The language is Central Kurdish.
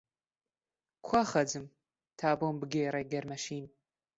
کوا «خەج»م تا بۆم بگێڕێ گەرمە شین؟!